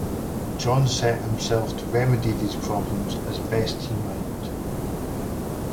John set himself to remedy these problems as best he might.